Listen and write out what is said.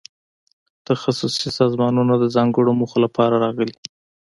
تخصصي سازمانونه د ځانګړو موخو لپاره راغلي.